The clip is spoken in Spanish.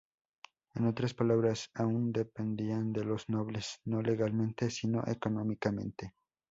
En otras palabras, aún dependían de los nobles, no legalmente, sino económicamente.